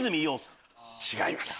違います。